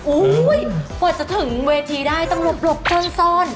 อู๋ปวดจะถึงเวทีได้ต้องหลบจนซ่อน